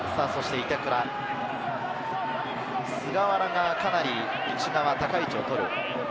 板倉、菅原が内側高い位置を取る。